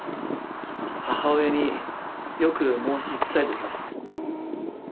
母親によく申し伝えておきます。